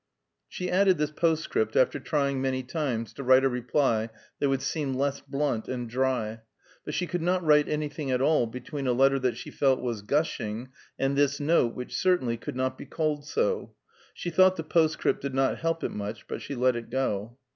She added this postscript after trying many times to write a reply that would seem less blunt and dry; but she could not write anything at all between a letter that she felt was gushing and this note which certainly could not be called so; she thought the postscript did not help it much, but she let it go.